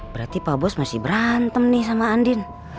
berarti pak bos masih berantem nih sama andin